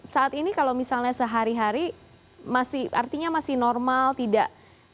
saat ini kalau misalnya sehari hari artinya masih normal tidak